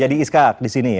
jadi iskak di sini ya